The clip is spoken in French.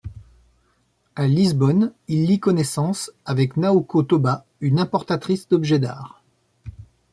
À Lisbonne, il lie connaissance avec Naoko Toba, une importatrice d'objets d'art.